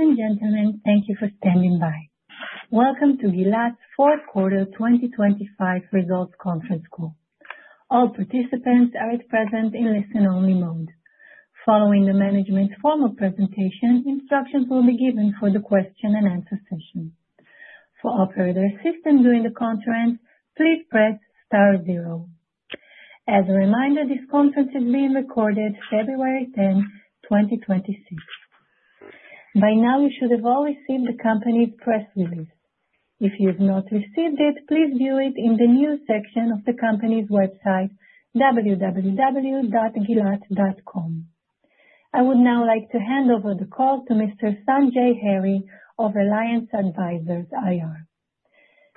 Ladies and gentlemen, thank you for standing by. Welcome to Gilat's fourth quarter 2025 results conference call. All participants are at present in listen-only mode. Following the management's formal presentation, instructions will be given for the question-and-answer session. For operator assistance during the conference, please press star zero. As a reminder, this conference is being recorded February 10, 2026. By now, you should have all received the company's press release. If you have not received it, please view it in the news section of the company's website, www.gilat.com. I would now like to hand over the call to Mr. Sanjay Hurry of Alliance Advisors IR.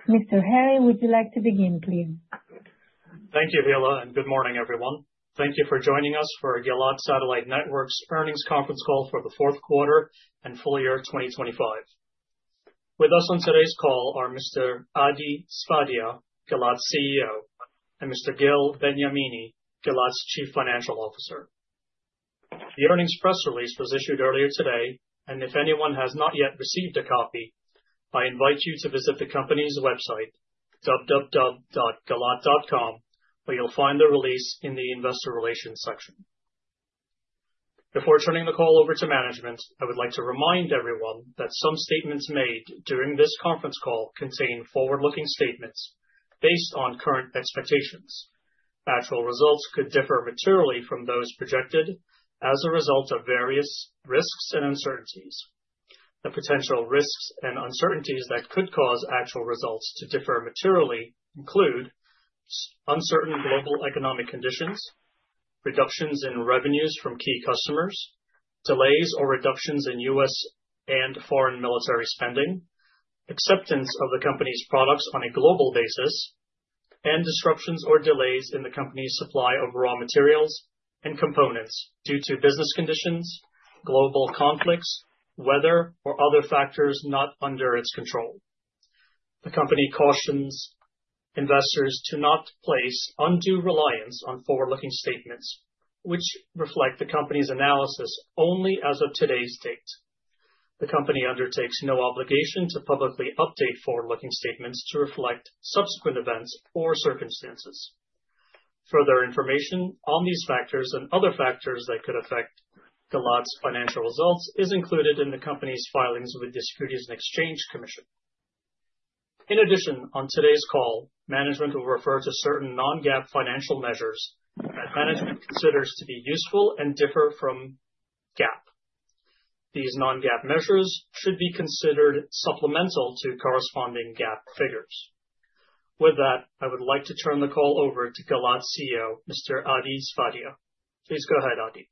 Mr. Hurry, would you like to begin, please? Thank you, Vila, and good morning, everyone. Thank you for joining us for Gilat Satellite Networks' earnings conference call for the fourth quarter and full year 2025. With us on today's call are Mr. Adi Sfadia, Gilat's CEO, and Mr. Gil Benyamini, Gilat's Chief Financial Officer. The earnings press release was issued earlier today, and if anyone has not yet received a copy, I invite you to visit the company's website, www.gilat.com, where you'll find the release in the investor relations section. Before turning the call over to management, I would like to remind everyone that some statements made during this conference call contain forward-looking statements based on current expectations. Actual results could differ materially from those projected as a result of various risks and uncertainties. The potential risks and uncertainties that could cause actual results to differ materially include uncertain global economic conditions, reductions in revenues from key customers, delays or reductions in U.S. and foreign military spending, acceptance of the company's products on a global basis, and disruptions or delays in the company's supply of raw materials and components due to business conditions, global conflicts, weather, or other factors not under its control. The company cautions investors to not place undue reliance on forward-looking statements, which reflect the company's analysis only as of today's date. The company undertakes no obligation to publicly update forward-looking statements to reflect subsequent events or circumstances. Further information on these factors and other factors that could affect Gilat's financial results is included in the company's filings with the Securities and Exchange Commission. In addition, on today's call, management will refer to certain non-GAAP financial measures that management considers to be useful and differ from GAAP. These non-GAAP measures should be considered supplemental to corresponding GAAP figures. With that, I would like to turn the call over to Gilat CEO, Mr. Adi Sfadia. Please go ahead, Adi.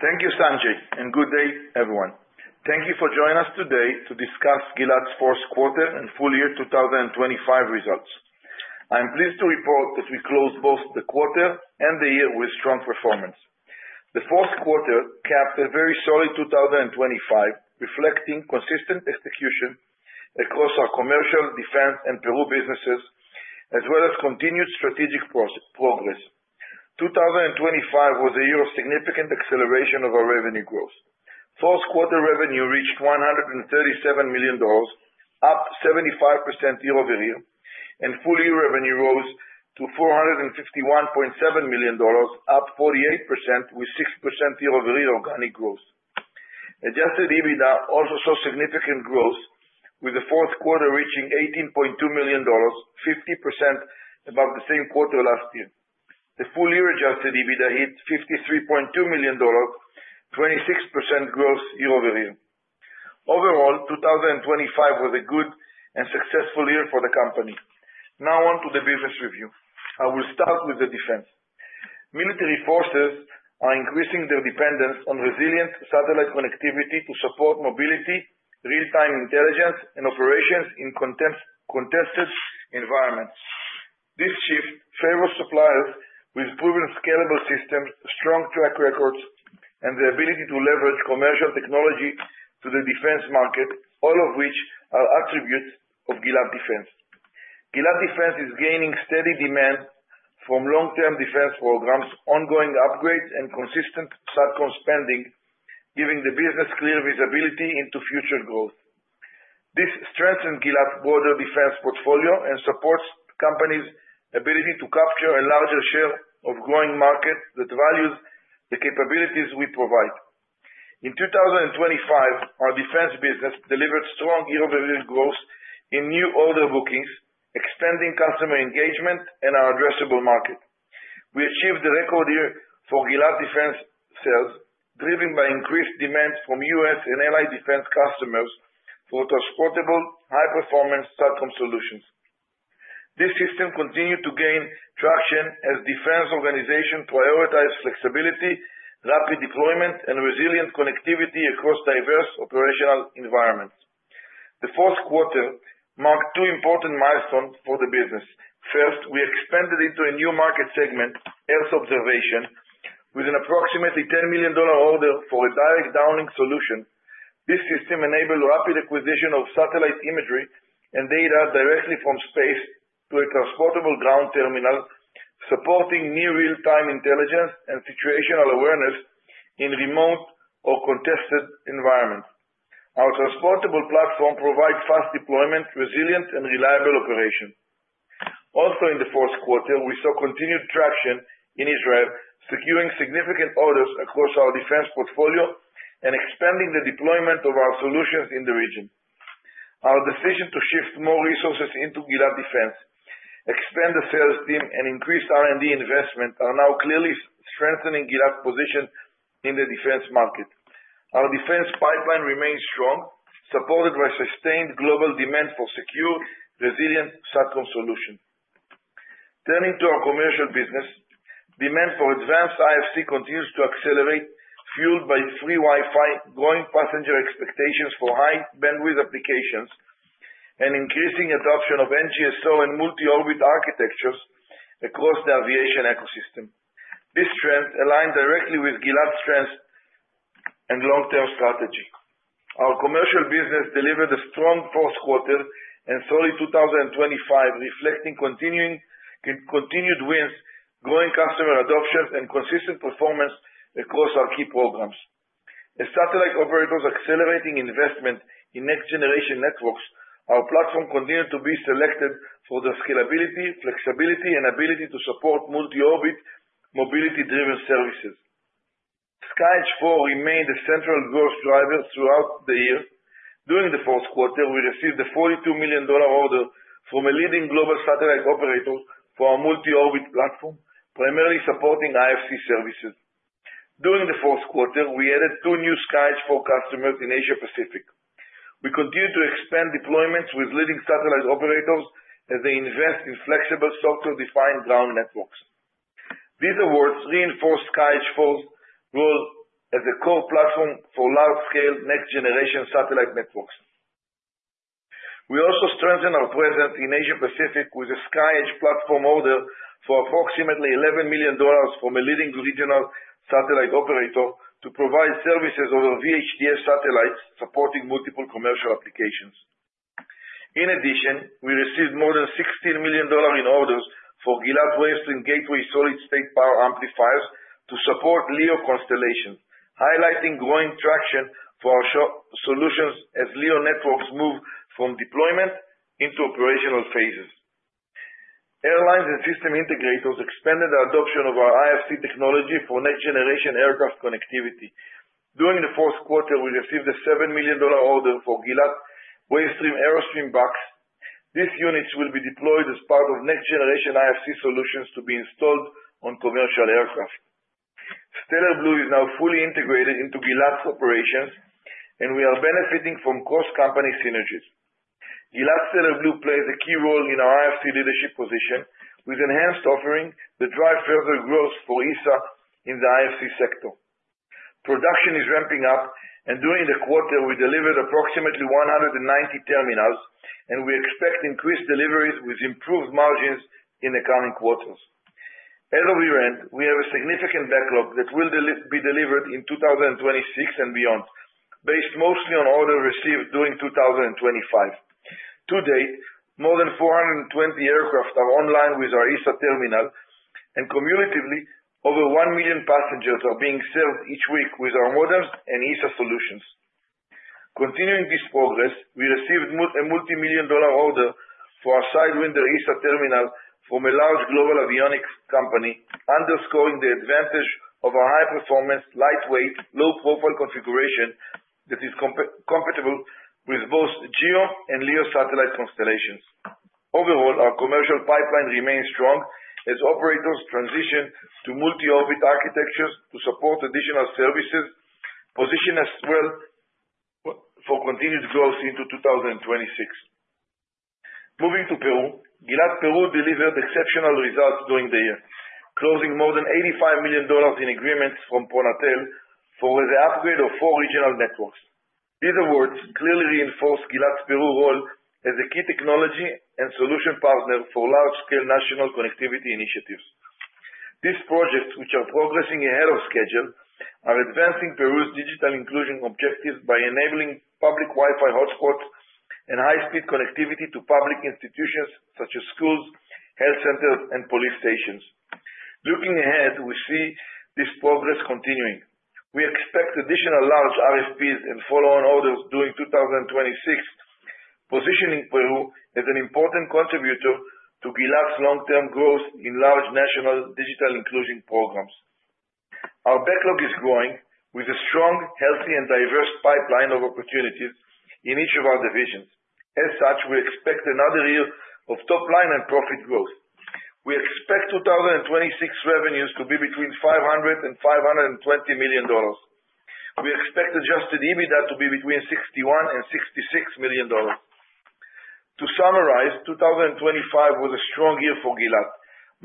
Thank you, Sanjay, and good day, everyone. Thank you for joining us today to discuss Gilat's fourth quarter and full year 2025 results. I'm pleased to report that we closed both the quarter and the year with strong performance. The fourth quarter capped a very solid 2025, reflecting consistent execution across our commercial, defense, and Peru businesses, as well as continued strategic progress. 2025 was a year of significant acceleration of our revenue growth. Fourth quarter revenue reached $137 million, up 75% year-over-year, and full year revenue rose to $451.7 million, up 48% with 6% year-over-year organic growth. Adjusted EBITDA also saw significant growth, with the fourth quarter reaching $18.2 million, 50% above the same quarter last year. The full year Adjusted EBITDA hit $53.2 million, 26% growth year-over-year. Overall, 2025 was a good and successful year for the company. Now on to the business review. I will start with the defense. Military forces are increasing their dependence on resilient satellite connectivity to support mobility, real-time intelligence, and operations in contested environments. This shift favors suppliers with proven scalable systems, strong track records, and the ability to leverage commercial technology to the defense market, all of which are attributes of Gilat Defense. Gilat Defense is gaining steady demand from long-term defense programs, ongoing upgrades, and consistent SATCOM spending, giving the business clear visibility into future growth. This strengthens Gilat's broader defense portfolio and supports companies' ability to capture a larger share of growing markets that value the capabilities we provide. In 2025, our defense business delivered strong year-over-year growth in new order bookings, expanding customer engagement, and our addressable market. We achieved a record year for Gilat Defense sales, driven by increased demand from U.S. and allied defense customers for transportable, high-performance SATCOM solutions. This system continued to gain traction as the defense organization prioritized flexibility, rapid deployment, and resilient connectivity across diverse operational environments. The fourth quarter marked two important milestones for the business. First, we expanded into a new market segment, Earth observation, with an approximately $10 million order for a direct downlink solution. This system enabled rapid acquisition of satellite imagery and data directly from space to a transportable ground terminal, supporting near-real-time intelligence and situational awareness in remote or contested environments. Our transportable platform provides fast deployment, resilient, and reliable operation. Also, in the fourth quarter, we saw continued traction in Israel, securing significant orders across our defense portfolio and expanding the deployment of our solutions in the region. Our decision to shift more resources into Gilat Defense, expand the sales team, and increase R&D investment are now clearly strengthening Gilat's position in the defense market. Our defense pipeline remains strong, supported by sustained global demand for secure, resilient SATCOM solutions. Turning to our commercial business, demand for advanced IFC continues to accelerate, fueled by free Wi-Fi, growing passenger expectations for high-bandwidth applications, and increasing adoption of NGSO and multi-orbit architectures across the aviation ecosystem. This trend aligns directly with Gilat's strengths and long-term strategy. Our commercial business delivered a strong fourth quarter and solid 2025, reflecting continued wins, growing customer adoption, and consistent performance across our key programs. As satellite operators accelerate investment in next-generation networks, our platform continues to be selected for the scalability, flexibility, and ability to support multi-orbit mobility-driven services. SkyEdge IV remained a central growth driver throughout the year. During the fourth quarter, we received a $42 million order from a leading global satellite operator for our multi-orbit platform, primarily supporting IFC services. During the fourth quarter, we added two new SkyEdge IV customers in Asia-Pacific. We continue to expand deployments with leading satellite operators as they invest in flexible, software-defined ground networks. These awards reinforce SkyEdge IV's role as a core platform for large-scale, next-generation satellite networks. We also strengthen our presence in Asia-Pacific with a SkyEdge platform order for approximately $11 million from a leading regional satellite operator to provide services over VHTS satellites, supporting multiple commercial applications. In addition, we received more than $16 million in orders for Wavestream solid-state power amplifiers to support LEO constellations, highlighting growing traction for our solutions as LEO networks move from deployment into operational phases. Airlines and system integrators expanded the adoption of our IFC technology for next-generation aircraft connectivity. During the fourth quarter, we received a $7 million order for Gilat Wavestream AeroStream BUCs. These units will be deployed as part of next-generation IFC solutions to be installed on commercial aircraft. Stellar Blu is now fully integrated into Gilat's operations, and we are benefiting from cross-company synergies. Gilat Stellar Blu plays a key role in our IFC leadership position, with enhanced offerings that drive further growth for ESA in the IFC sector. Production is ramping up, and during the quarter, we delivered approximately 190 terminals, and we expect increased deliveries with improved margins in the coming quarters. As of year-end, we have a significant backlog that will be delivered in 2026 and beyond, based mostly on orders received during 2025. To date, more than 420 aircraft are online with our ESA terminal, and cumulatively, over 1 million passengers are being served each week with our modems and ESA solutions. Continuing this progress, we received a multimillion-dollar order for our Sidewinder ESA terminal from a large global avionics company, underscoring the advantage of our high-performance, lightweight, low-profile configuration that is compatible with both GEO and LEO satellite constellations. Overall, our commercial pipeline remains strong as operators transition to multi-orbit architectures to support additional services, positioned as well for continued growth into 2026. Moving to Peru, Gilat Peru delivered exceptional results during the year, closing more than $85 million in agreements from PRONATEL for the upgrade of four regional networks. These awards clearly reinforce Gilat Peru's role as a key technology and solution partner for large-scale national connectivity initiatives. These projects, which are progressing ahead of schedule, are advancing Peru's digital inclusion objectives by enabling public Wi-Fi hotspots and high-speed connectivity to public institutions such as schools, health centers, and police stations. Looking ahead, we see this progress continuing. We expect additional large RFPs and follow-on orders during 2026, positioning Peru as an important contributor to Gilat's long-term growth in large national digital inclusion programs. Our backlog is growing with a strong, healthy, and diverse pipeline of opportunities in each of our divisions. As such, we expect another year of top-line and profit growth. We expect 2026 revenues to be between $500 million-$520 million. We expect Adjusted EBITDA to be between $61 million-$66 million. To summarize, 2025 was a strong year for Gilat,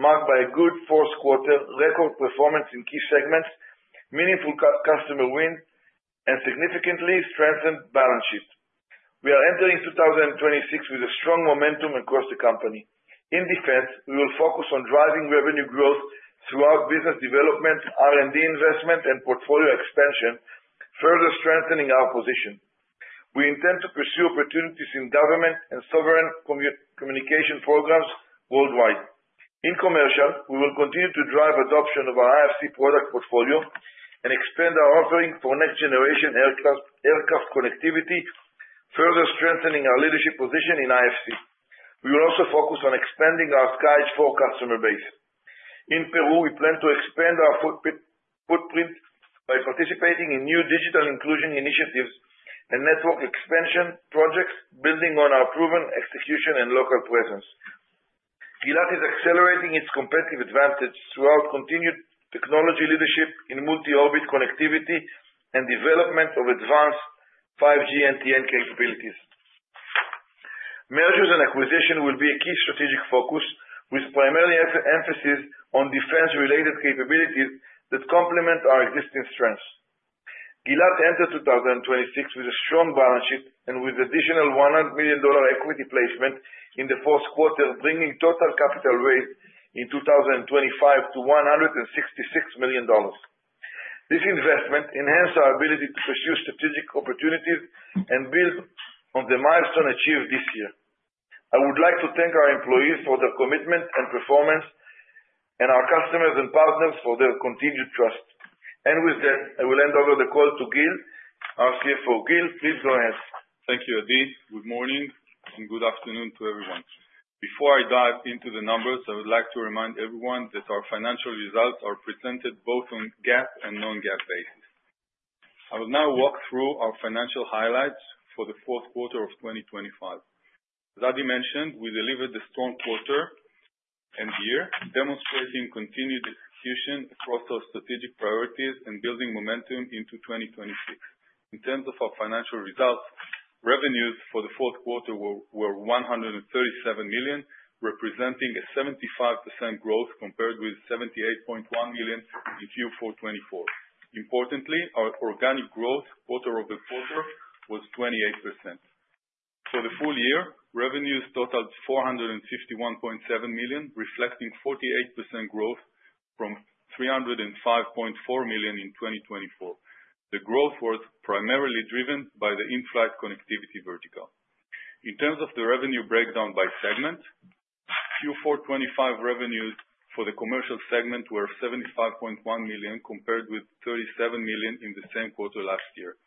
marked by a good fourth quarter, record performance in key segments, meaningful customer wins, and significantly strengthened balance sheet. We are entering 2026 with a strong momentum across the company. In defense, we will focus on driving revenue growth throughout business development, R&D investment, and portfolio expansion, further strengthening our position. We intend to pursue opportunities in government and sovereign communication programs worldwide. In commercial, we will continue to drive adoption of our IFC product portfolio and expand our offering for next-generation aircraft connectivity, further strengthening our leadership position in IFC. We will also focus on expanding our SkyEdge IV customer base. In Peru, we plan to expand our footprint by participating in new digital inclusion initiatives and network expansion projects, building on our proven execution and local presence. Gilat is accelerating its competitive advantage throughout continued technology leadership in multi-orbit connectivity and development of advanced 5G NTN capabilities. Mergers and acquisitions will be a key strategic focus, with primarily emphasis on defense-related capabilities that complement our existing strengths. Gilat entered 2026 with a strong balance sheet and with additional $100 million equity placement in the fourth quarter, bringing total capital raised in 2025 to $166 million. This investment enhances our ability to pursue strategic opportunities and build on the milestone achieved this year. I would like to thank our employees for their commitment and performance, and our customers and partners for their continued trust. With that, I will hand over the call to Gil, our CFO. Gil, please go ahead. Thank you, Adi. Good morning and good afternoon to everyone. Before I dive into the numbers, I would like to remind everyone that our financial results are presented both on GAAP and non-GAAP basis. I will now walk through our financial highlights for the fourth quarter of 2025. As Adi mentioned, we delivered a strong quarter and year, demonstrating continued execution across our strategic priorities and building momentum into 2026. In terms of our financial results, revenues for the fourth quarter were $137 million, representing a 75% growth compared with $78.1 million in Q4 2024. Importantly, our organic growth quarter-over-quarter was 28%. For the full year, revenues totaled $451.7 million, reflecting 48% growth from $305.4 million in 2024. The growth was primarily driven by the in-flight connectivity vertical. In terms of the revenue breakdown by segment, Q4 2025 revenues for the commercial segment were $75.1 million compared with $37 million in the same quarter last year.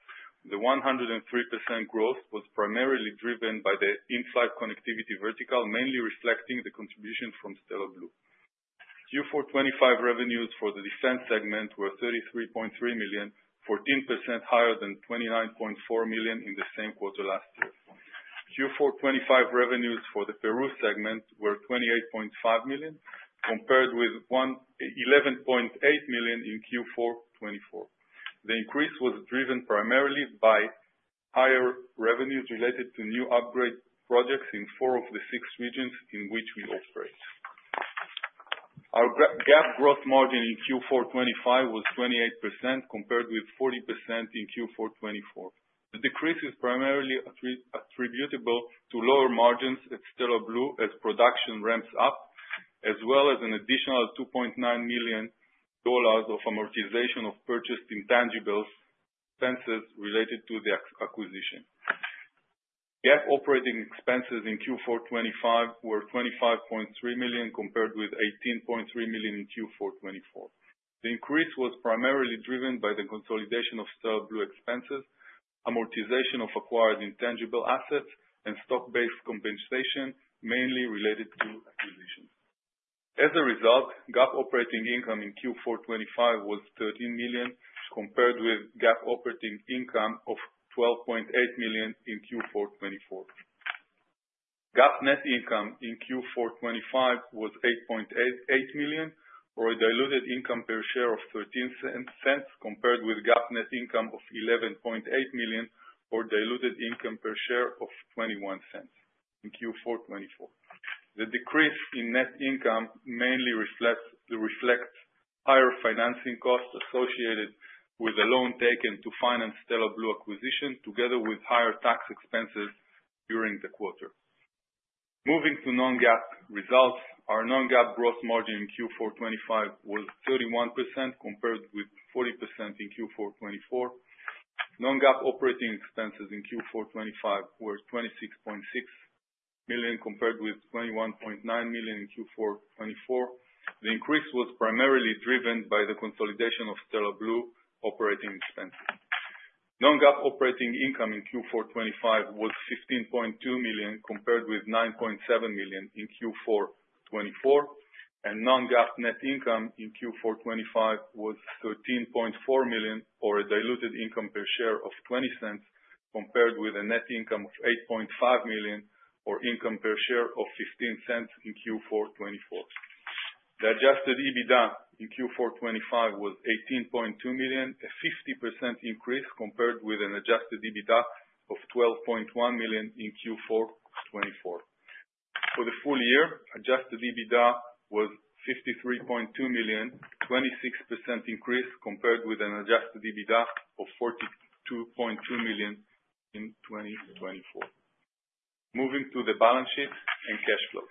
The 103% growth was primarily driven by the in-flight connectivity vertical, mainly reflecting the contribution from Stellar Blu. Q4 2025 revenues for the defense segment were $33.3 million, 14% higher than $29.4 million in the same quarter last year. Q4 2025 revenues for the Peru segment were $28.5 million compared with $11.8 million in Q4 2024. The increase was driven primarily by higher revenues related to new upgrade projects in four of the six regions in which we operate. Our gross margin in Q4 2025 was 28% compared with 40% in Q4 2024. The decrease is primarily attributable to lower margins at Stellar Blu as production ramps up, as well as an additional $2.9 million of amortization of purchased intangible expenses related to the acquisition. GAAP operating expenses in Q4 2025 were $25.3 million compared with $18.3 million in Q4 2024. The increase was primarily driven by the consolidation of Stellar Blu expenses, amortization of acquired intangible assets, and stock-based compensation, mainly related to acquisitions. As a result, GAAP operating income in Q4 2025 was $13 million compared with GAAP operating income of $12.8 million in Q4 2024. GAAP net income in Q4 2025 was $8.8 million, or a diluted income per share of $0.13 compared with GAAP net income of $11.8 million, or diluted income per share of $0.21 in Q4 2024. The decrease in net income mainly reflects higher financing costs associated with a loan taken to finance Stellar Blu acquisition, together with higher tax expenses during the quarter. Moving to non-GAAP results, our non-GAAP gross margin in Q4 2025 was 31% compared with 40% in Q4 2024. Non-GAAP operating expenses in Q4 2025 were $26.6 million compared with $21.9 million in Q4 2024. The increase was primarily driven by the consolidation of Stellar Blu operating expenses. Non-GAAP operating income in Q4/25 was $15.2 million compared with $9.7 million in Q4/24, and Non-GAAP net income in Q4/25 was $13.4 million, or a diluted income per share of $0.20 compared with a net income of $8.5 million, or income per share of $0.15 in Q4/24. The Adjusted EBITDA in Q4/25 was $18.2 million, a 50% increase compared with an Adjusted EBITDA of $12.1 million in Q4/24. For the full year, Adjusted EBITDA was $53.2 million, a 26% increase compared with an Adjusted EBITDA of $42.2 million in 2024. Moving to the balance sheet and cash flow.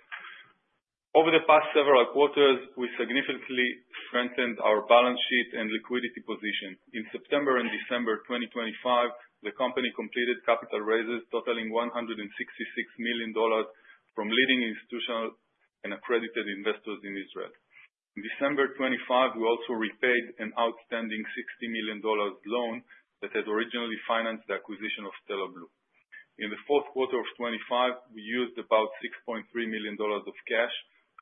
Over the past several quarters, we significantly strengthened our balance sheet and liquidity position. In September and December 2025, the company completed capital raises totaling $166 million from leading institutional and accredited investors in Israel. In December 2025, we also repaid an outstanding $60 million loan that had originally financed the acquisition of Stellar Blu. In the fourth quarter of 2025, we used about $6.3 million of cash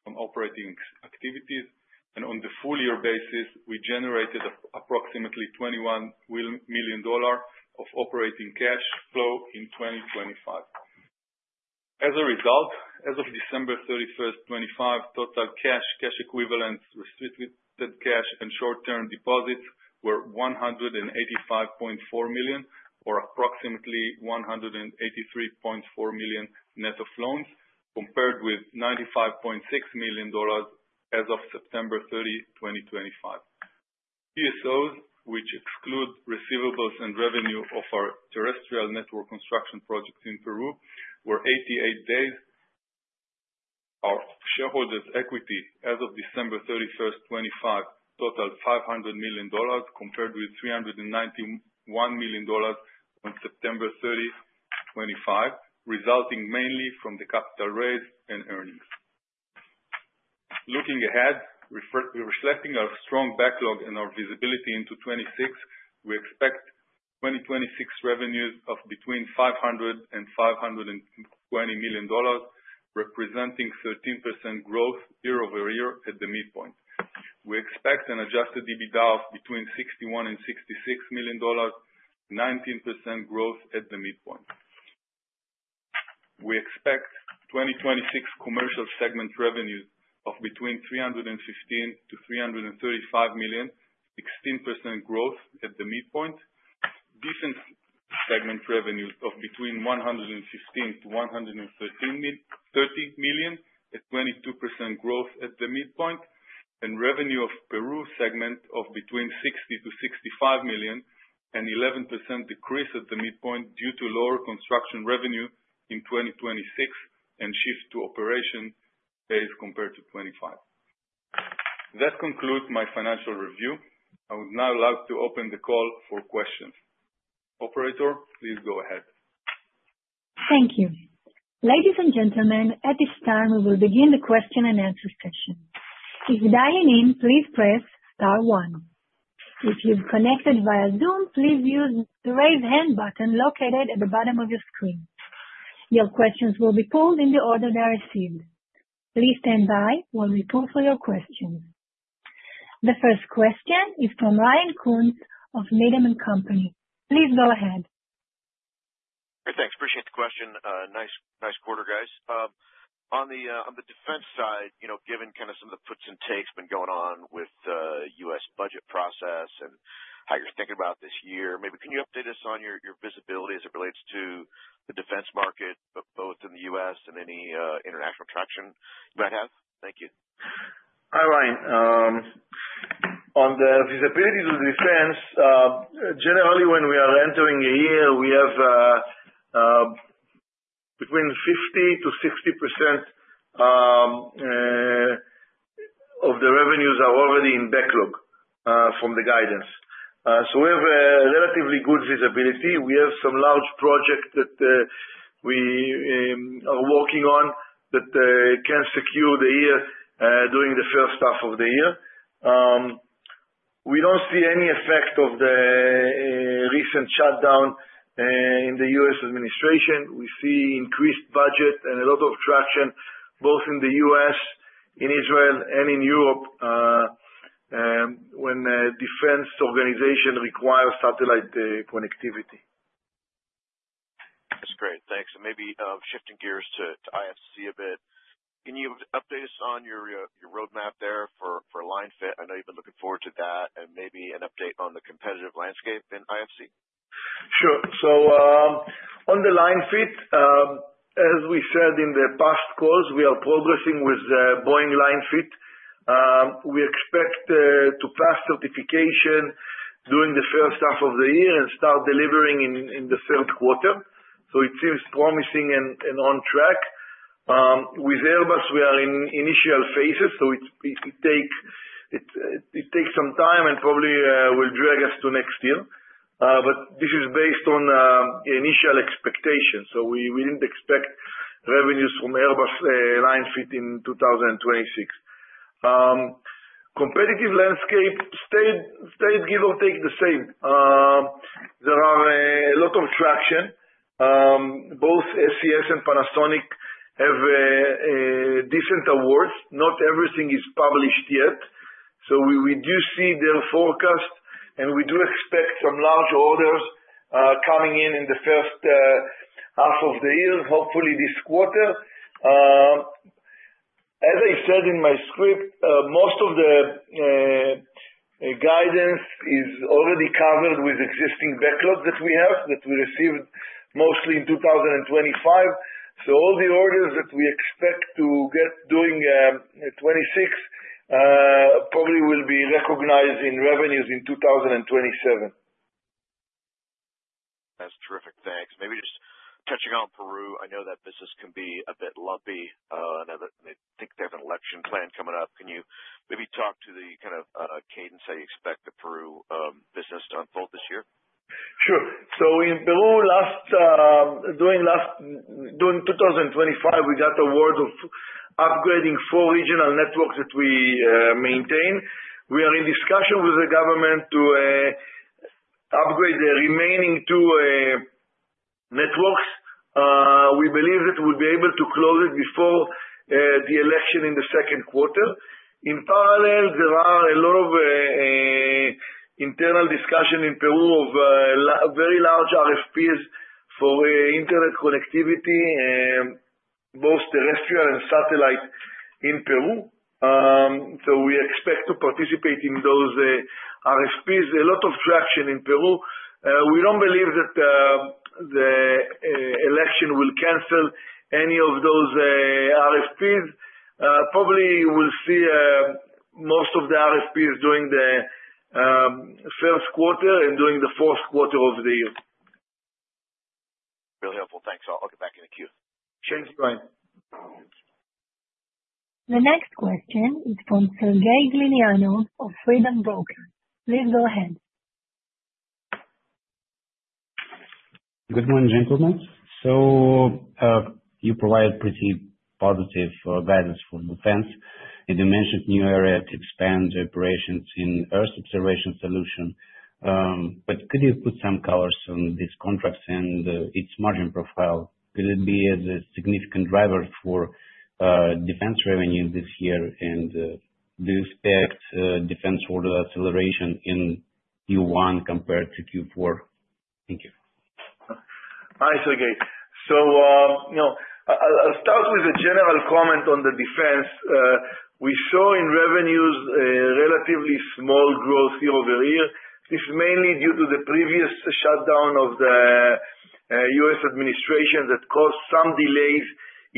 from operating activities, and on the full-year basis, we generated approximately $21 million of operating cash flow in 2025. As a result, as of December 31st, 2025, total cash, cash equivalents, restricted cash, and short-term deposits were $185.4 million, or approximately $183.4 million net of loans, compared with $95.6 million as of September 30, 2025. DSO, which exclude receivables and revenue of our terrestrial network construction projects in Peru, was 88 days. Our shareholders' equity as of December 31st, 2025, totaled $500 million compared with $391 million on September 30, 2025, resulting mainly from the capital raise and earnings. Looking ahead, reflecting our strong backlog and our visibility into 2026, we expect 2026 revenues of between $500 million-$520 million, representing 13% growth year-over-year at the midpoint. We expect an Adjusted EBITDA of between $61 million-$66 million, 19% growth at the midpoint. We expect 2026 commercial segment revenues of between $315 million-$335 million, 16% growth at the midpoint. Defense segment revenues of between $115 million-$130 million, a 22% growth at the midpoint. Revenue of Peru segment of between $60 million-$65 million, an 11% decrease at the midpoint due to lower construction revenue in 2026 and shift to operation base compared to 2025. That concludes my financial review. I would now like to open the call for questions. Operator, please go ahead. Thank you. Ladies and gentlemen, at this time, we will begin the question and answer session. If dialing in, please press star one. If you've connected via Zoom, please use the raise hand button located at the bottom of your screen. Your questions will be pulled in the order they are received. Please stand by while we pull for your questions. The first question is from Ryan Koontz of Needham & Company. Please go ahead. Great. Thanks. Appreciate the question. Nice, nice quarter, guys. On the defense side, given kind of some of the puts and takes been going on with the U.S. budget process and how you're thinking about this year, maybe can you update us on your visibility as it relates to the defense market, both in the U.S. and any international traction you might have? Thank you. Hi, Ryan. On the visibility to the defense, generally, when we are entering a year, we have between 50%-60% of the revenues are already in backlog from the guidance. So we have a relatively good visibility. We have some large projects that we are working on that can secure the year during the first half of the year. We don't see any effect of the recent shutdown in the U.S. administration. We see increased budget and a lot of traction both in the U.S., in Israel, and in Europe when defense organizations require satellite connectivity. That's great. Thanks. And maybe shifting gears to IFC a bit, can you update us on your roadmap there for LineFit? I know you've been looking forward to that and maybe an update on the competitive landscape in IFC? Sure. So on the LineFit, as we said in the past calls, we are progressing with Boeing LineFit. We expect to pass certification during the first half of the year and start delivering in the third quarter. So it seems promising and on track. With Airbus, we are in initial phases, so it takes some time and probably will drag us to next year. But this is based on initial expectations. So we didn't expect revenues from Airbus LineFit in 2026. Competitive landscape stayed give or take the same. There are a lot of traction. Both SES and Panasonic have decent awards. Not everything is published yet. So we do see their forecast, and we do expect some large orders coming in in the first half of the year, hopefully this quarter. As I said in my script, most of the guidance is already covered with existing backlog that we have, that we received mostly in 2025. All the orders that we expect to get during 2026 probably will be recognized in revenues in 2027. That's terrific. Thanks. Maybe just touching on Peru, I know that business can be a bit lumpy, and I think they have an election plan coming up. Can you maybe talk to the kind of cadence that you expect the Peru business to unfold this year? Sure. So in Peru, during 2025, we got the word of upgrading four regional networks that we maintain. We are in discussion with the government to upgrade the remaining two networks. We believe that we'll be able to close it before the election in the second quarter. In parallel, there are a lot of internal discussion in Peru of very large RFPs for internet connectivity, both terrestrial and satellite, in Peru. So we expect to participate in those RFPs. A lot of traction in Peru. We don't believe that the election will cancel any of those RFPs. Probably we'll see most of the RFPs during the first quarter and during the fourth quarter of the year. Really helpful. Thanks. I'll get back in a queue. Thanks, Ryan. The next question is from Sergey Glinyanov of Freedom Brokers. Please go ahead. Good morning, gentlemen. So you provided pretty positive guidance for defense. And you mentioned new areas to expand operations in Earth observation solution. But could you put some colors on these contracts and its margin profile? Could it be a significant driver for defense revenue this year? And do you expect defense order acceleration in Q1 compared to Q4? Thank you. Hi, Sergey. I'll start with a general comment on the defense. We saw in revenues a relatively small growth year-over-year. This is mainly due to the previous shutdown of the U.S. administration that caused some delays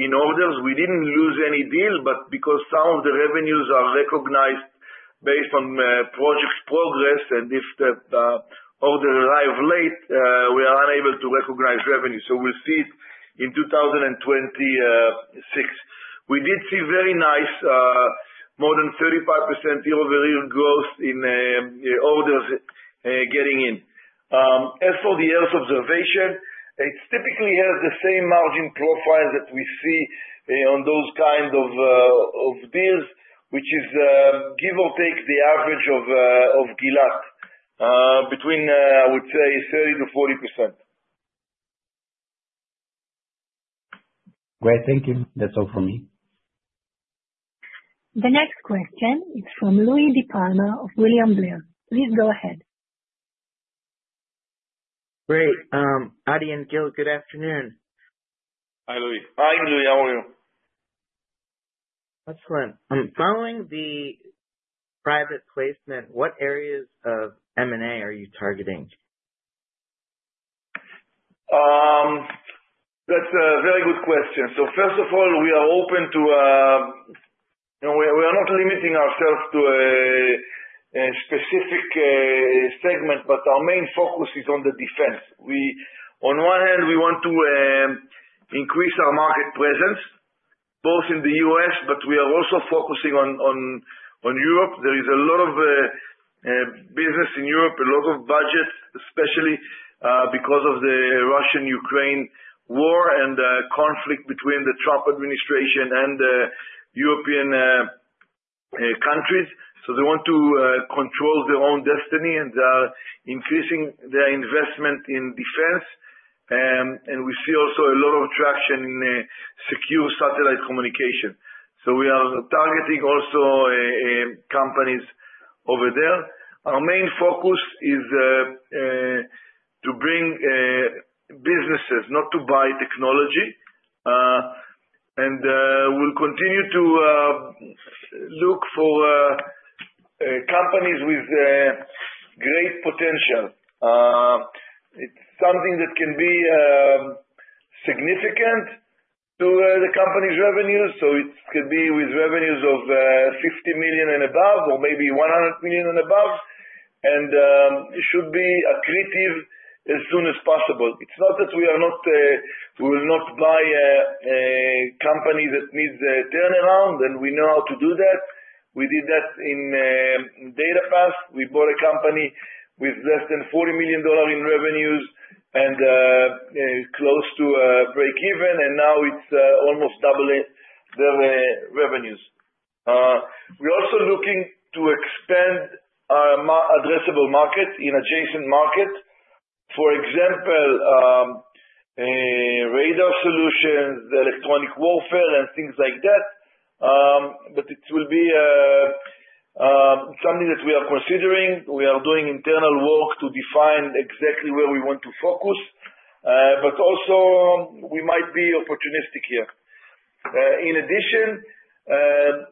in orders. We didn't lose any deal, but because some of the revenues are recognized based on project progress, and if the orders arrive late, we are unable to recognize revenue. So we'll see it in 2026. We did see very nice, more than 35% year-over-year growth in orders getting in. As for the Earth observation, it typically has the same margin profile that we see on those kinds of deals, which is give or take the average of Gilat, between, I would say, 30%-40%. Great. Thank you. That's all from me. The next question is from Louie DiPalma of William Blair. Please go ahead. Great. Adi and Gil, good afternoon. Hi, Louie. Hi, Louie. How are you? Excellent. Following the private placement, what areas of M&A are you targeting? That's a very good question. So first of all, we are open to, we are not limiting ourselves to a specific segment, but our main focus is on the defense. On one hand, we want to increase our market presence both in the U.S., but we are also focusing on Europe. There is a lot of business in Europe, a lot of budget, especially because of the Russia-Ukraine war and conflict between the Trump administration and European countries. So they want to control their own destiny and are increasing their investment in defense. And we see also a lot of traction in secure satellite communication. So we are targeting also companies over there. Our main focus is to bring businesses, not to buy technology. And we'll continue to look for companies with great potential. It's something that can be significant to the company's revenues. So it could be with revenues of $50 million and above or maybe $100 million and above. It should be accretive as soon as possible. It's not that we are not. We will not buy a company that needs a turnaround, and we know how to do that. We did that in DataPath. We bought a company with less than $40 million in revenues and close to break even, and now it's almost doubling their revenues. We're also looking to expand our addressable market in adjacent markets, for example, radar solutions, electronic warfare, and things like that. But it will be something that we are considering. We are doing internal work to define exactly where we want to focus. But also, we might be opportunistic here. In addition,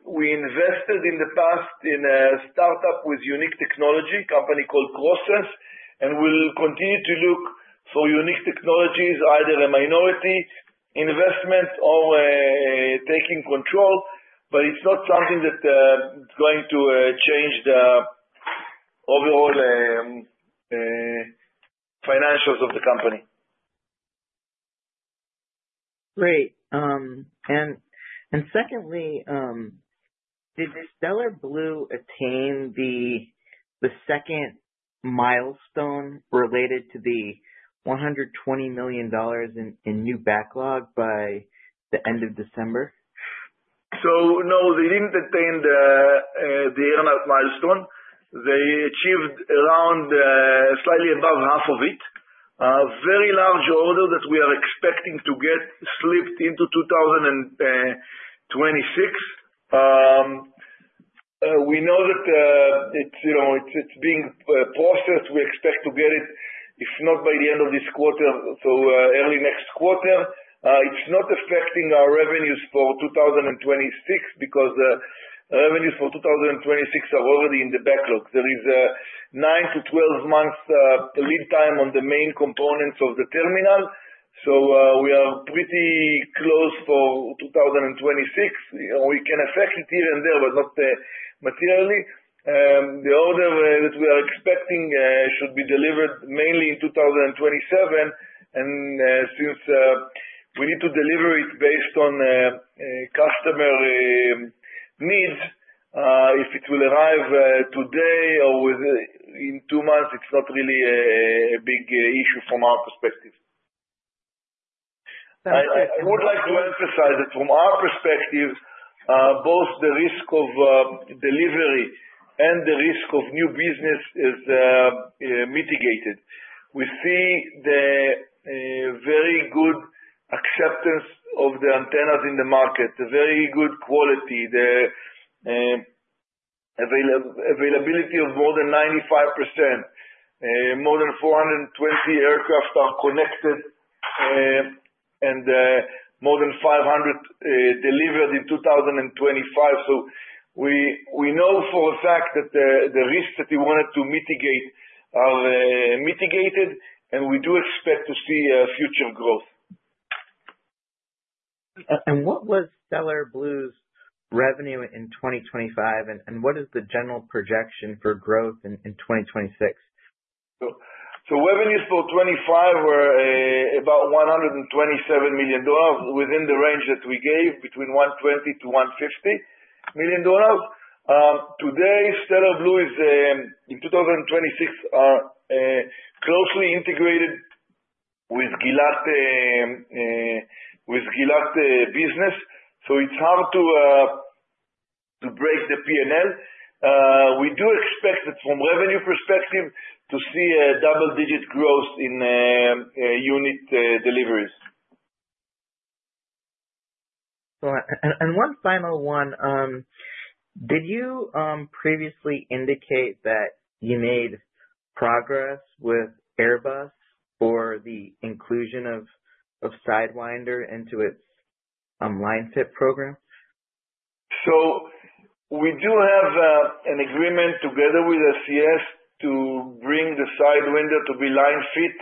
we invested in the past in a startup with unique technology, a company called CrossSense, and we'll continue to look for unique technologies, either a minority investment or taking control. But it's not something that's going to change the overall financials of the company. Great. And secondly, did the Stellar Blu attain the second milestone related to the $120 million in new backlog by the end of December? So no, they didn't attain the airline milestone. They achieved slightly above half of it, a very large order that we are expecting to get slipped into 2026. We know that it's being processed. We expect to get it, if not by the end of this quarter, so early next quarter. It's not affecting our revenues for 2026 because revenues for 2026 are already in the backlog. There is a nine to 12 months lead time on the main components of the terminal. So we are pretty close for 2026. We can affect it here and there, but not materially. The order that we are expecting should be delivered mainly in 2027. And since we need to deliver it based on customer needs, if it will arrive today or in two months, it's not really a big issue from our perspective. I would like to emphasize that from our perspective, both the risk of delivery and the risk of new business is mitigated. We see the very good acceptance of the antennas in the market, the very good quality, the availability of more than 95%. More than 420 aircraft are connected and more than 500 delivered in 2025. So we know for a fact that the risks that we wanted to mitigate are mitigated, and we do expect to see future growth. What was Stellar Blu's revenue in 2025, and what is the general projection for growth in 2026? So revenues for 2025 were about $127 million within the range that we gave, between $120 million-$150 million. Today, Stellar Blu is, in 2026, closely integrated with Gilat business. So it's hard to break the P&L. We do expect that from a revenue perspective, to see double-digit growth in unit deliveries. One final one. Did you previously indicate that you made progress with Airbus for the inclusion of Sidewinder into its LineFit program? We do have an agreement together with SES to bring the Sidewinder to be LineFit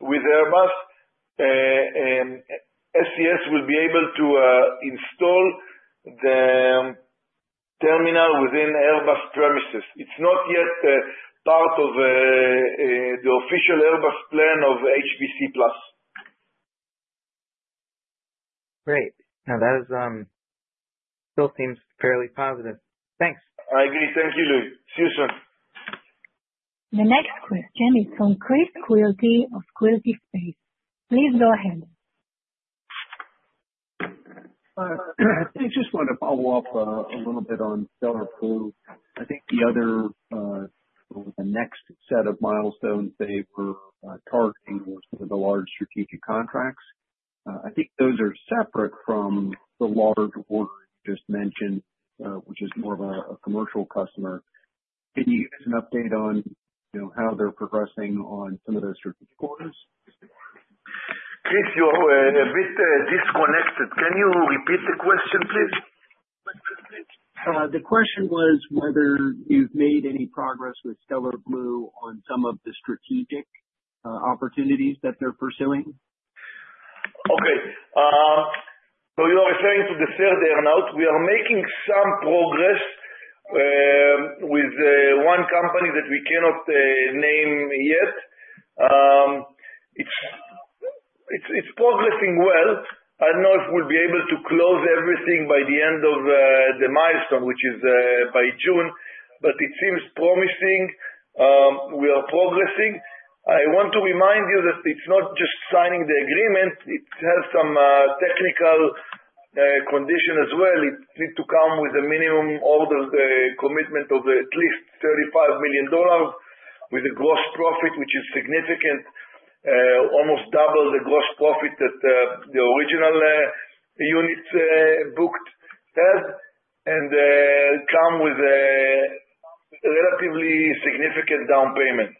with Airbus. SES will be able to install the terminal within Airbus premises. It's not yet part of the official Airbus plan of HBC+. Great. No, that still seems fairly positive. Thanks. I agree. Thank you, Louie. See you soon. The next question is from Chris Quilty of Quilty Space. Please go ahead. I just want to follow up a little bit on Stellar Blu. I think the other or the next set of milestones they were targeting were some of the large strategic contracts. I think those are separate from the large order you just mentioned, which is more of a commercial customer. Can you give us an update on how they're progressing on some of those strategic orders? Chris, you are a bit disconnected. Can you repeat the question, please? The question was whether you've made any progress with Stellar Blu on some of the strategic opportunities that they're pursuing. Okay. So you are saying to the third airline, "We are making some progress with one company that we cannot name yet." It's progressing well. I don't know if we'll be able to close everything by the end of the milestone, which is by June, but it seems promising. We are progressing. I want to remind you that it's not just signing the agreement. It has some technical condition as well. It needs to come with a minimum order commitment of at least $35 million with a gross profit, which is significant, almost double the gross profit that the original units booked had, and come with a relatively significant down payment.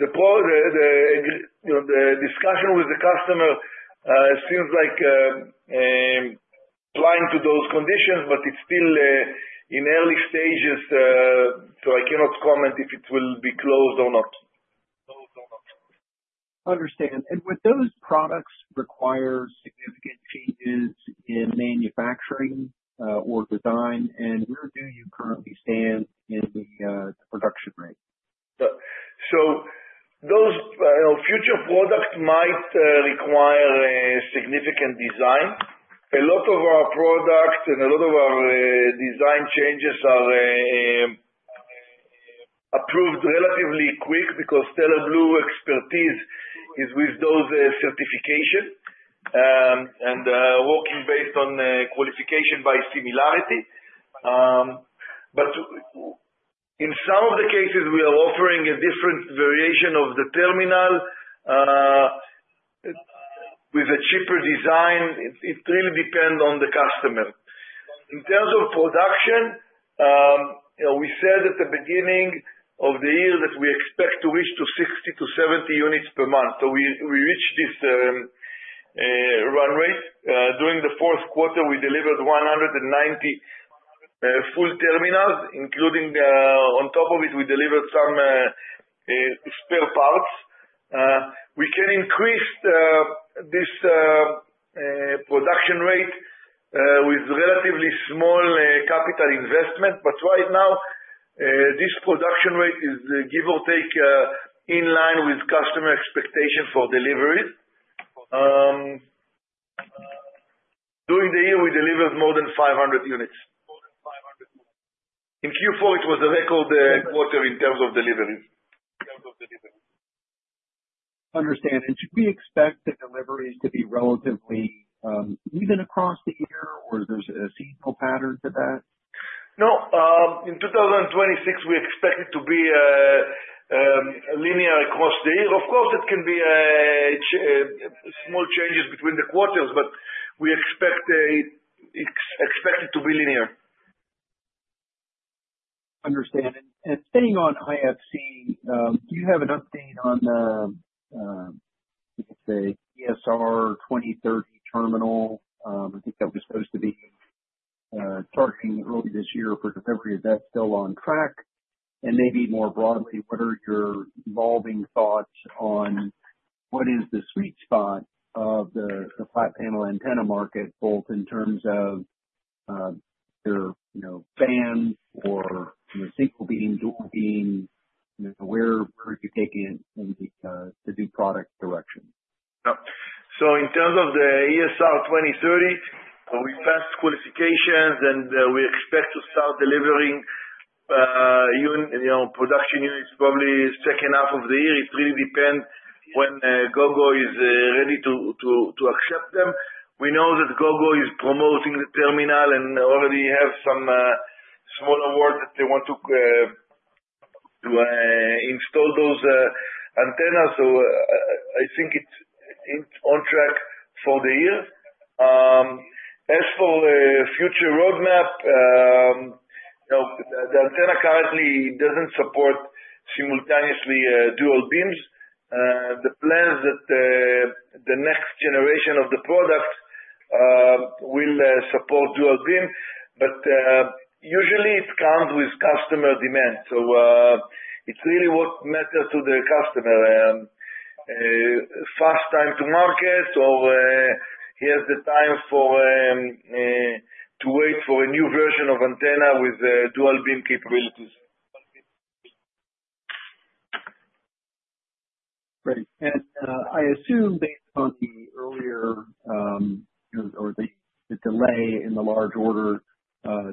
The discussion with the customer seems like applying to those conditions, but it's still in early stages, so I cannot comment if it will be closed or not. Understand. Would those products require significant changes in manufacturing or design? Where do you currently stand in the production rate? So those future products might require significant design. A lot of our products and a lot of our design changes are approved relatively quick because Stellar Blu expertise is with those certifications and working based on qualification by similarity. But in some of the cases, we are offering a different variation of the terminal with a cheaper design. It really depends on the customer. In terms of production, we said at the beginning of the year that we expect to reach 60-70 units per month. So we reached this run rate. During the fourth quarter, we delivered 190 full terminals, including on top of it, we delivered some spare parts. We can increase this production rate with relatively small capital investment. But right now, this production rate is give or take in line with customer expectations for deliveries. During the year, we delivered more than 500 units. In Q4, it was a record quarter in terms of deliveries. Understand. Should we expect the deliveries to be relatively even across the year, or is there a seasonal pattern to that? No. In 2026, we expect it to be linear across the year. Of course, it can be small changes between the quarters, but we expect it to be linear. Understood. And staying on IFC, do you have an update on the, let's say, ESA 2030 terminal? I think that was supposed to be targeting early this year for delivery. Is that still on track? And maybe more broadly, what are your evolving thoughts on what is the sweet spot of the flat panel antenna market, both in terms of their fans or single beam, dual beam? Where are you taking it in the new product direction? Yeah. So in terms of the ESR 2030, we passed qualifications, and we expect to start delivering production units probably second half of the year. It really depends when Gogo is ready to accept them. We know that Gogo is promoting the terminal and already have some small awards that they want to install those antennas. So I think it's on track for the year. As for a future roadmap, the antenna currently doesn't support simultaneously dual beams. The plans that the next generation of the product will support dual beam, but usually, it comes with customer demand. So it's really what matters to the customer, fast time to market, or he has the time to wait for a new version of antenna with dual beam capabilities. Great. I assume based on the earlier or the delay in the large order,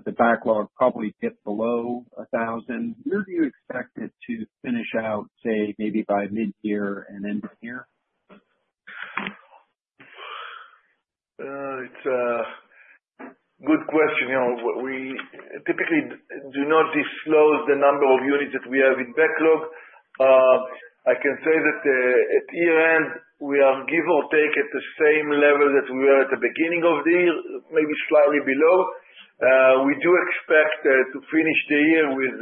the backlog probably dipped below 1,000. Where do you expect it to finish out, say, maybe by mid-year and end of year? It's a good question. We typically do not disclose the number of units that we have in backlog. I can say that at year-end, we are give or take at the same level that we were at the beginning of the year, maybe slightly below. We do expect to finish the year with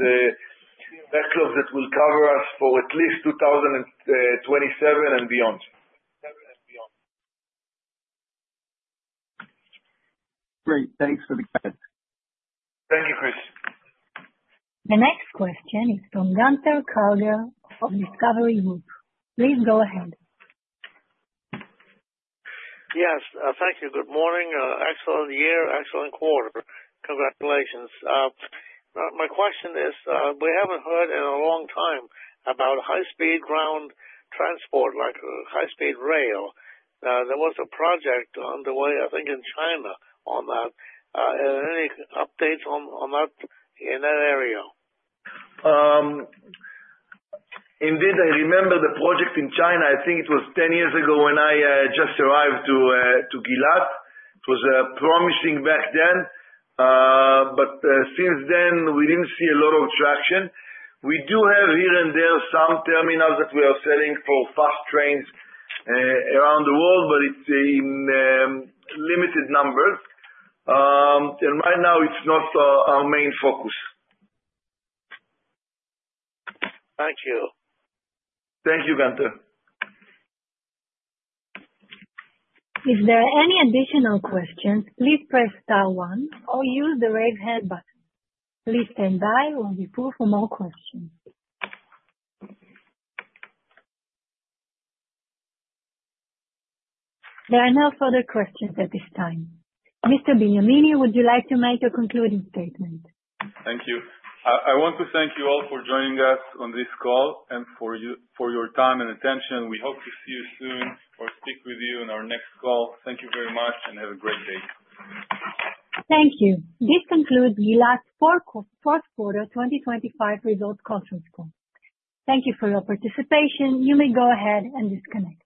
backlogs that will cover us for at least 2027 and beyond. Great. Thanks for the comments. Thank you, Chris. The next question is from Gunther Karger of Discovery Group. Please go ahead. Yes. Thank you. Good morning. Excellent year. Excellent quarter. Congratulations. My question is, we haven't heard in a long time about high-speed ground transport like high-speed rail. There was a project underway, I think, in China on that. Any updates on that in that area? Indeed, I remember the project in China. I think it was 10 years ago when I just arrived to Gilat. It was promising back then, but since then, we didn't see a lot of traction. We do have here and there some terminals that we are selling for fast trains around the world, but it's in limited numbers. And right now, it's not our main focus. Thank you. Thank you, Gunther. If there are any additional questions, please press star one or use the raise hand button. Please stand by when we pull from more questions. There are no further questions at this time. Mr. Benyamini, would you like to make a concluding statement? Thank you. I want to thank you all for joining us on this call and for your time and attention. We hope to see you soon or speak with you in our next call. Thank you very much and have a great day. Thank you. This concludes Gilat fourth quarter 2025 results conference call. Thank you for your participation. You may go ahead and disconnect.